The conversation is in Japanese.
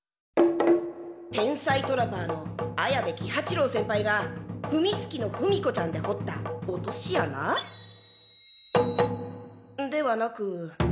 天才トラパーの綾部喜八郎先輩がふみすきの踏子ちゃんでほった落としあな？ではなく。